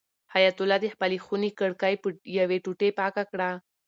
حیات الله د خپلې خونې کړکۍ په یوې ټوټې پاکه کړه.